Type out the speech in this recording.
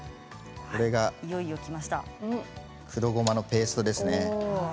黒ごまのペーストですね。